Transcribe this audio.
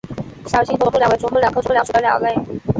小星头啄木鸟为啄木鸟科啄木鸟属的鸟类。